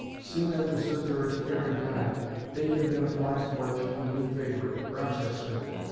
Soon after Sir George Carey died. Bacon then applied for it through the new favourite, Rochester.